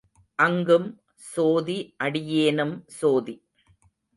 அங்கும் சோதி அடியேனும் சோதி.